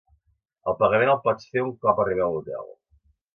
El pagament el pots fer un cop arribeu a l'hotel.